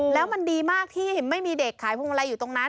แล้วมันดีมากที่ไม่มีเด็กขายพวงมาลัยอยู่ตรงนั้น